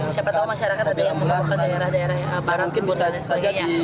siapa tau masyarakat ada yang membawa ke daerah daerah barat krim burda dan sebagainya